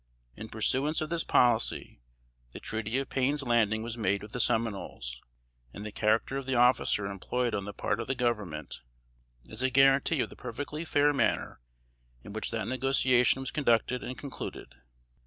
In pursuance of this policy, the treaty of Payne's Landing was made with the Seminoles; and the character of the officer employed on the part of the Government is a guarantee of the perfectly fair manner in which that negotiation was conducted and concluded.